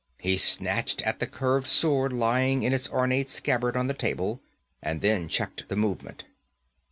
He snatched at the curved sword lying in its ornate scabbard on the table, and then checked the movement.